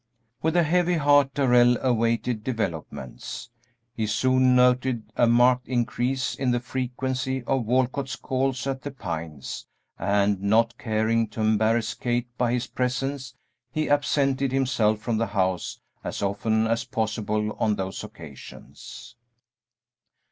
With a heavy heart Darrell awaited developments. He soon noted a marked increase in the frequency of Walcott's calls at The Pines, and, not caring to embarrass Kate by his presence, he absented himself from the house as often as possible on those occasions.